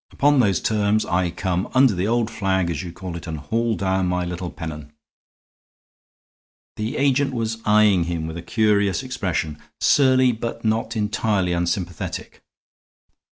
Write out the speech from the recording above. Upon those terms I come under the old flag, as you call it, and haul down my little pennon." The agent was eying him with a curious expression, surly but not entirely unsympathetic.